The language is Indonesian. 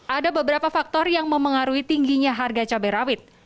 ada beberapa faktor yang memengaruhi tingginya harga cabai rawit